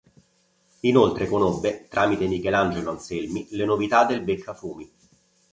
Inoltre conobbe, tramite Michelangelo Anselmi, le novità del Beccafumi.